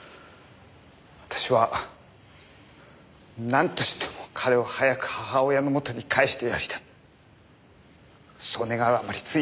私はなんとしても彼を早く母親の元に帰してやりたいそう願うあまりつい。